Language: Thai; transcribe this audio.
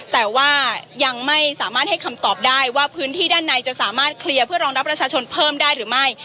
แต่ว่ายังไม่สามารถให้คำตอบได้ว่าพื้นที่ด้านในจะสามารถเคลียร์เพื่อรองรับประชาชนเพิ่มได้หรือไม่